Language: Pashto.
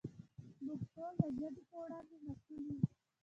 موږ ټول د ژبې په وړاندې مسؤل یو.